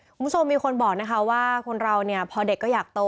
คุณผู้ชมมีคนบอกนะคะว่าคนเราเนี่ยพอเด็กก็อยากโต